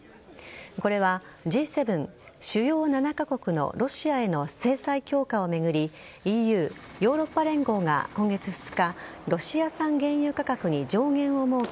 これはＧ７＝主要７カ国のロシアへの制裁強化を巡りＥＵ＝ヨーロッパ連合が今月２日ロシア産原油価格に上限を設け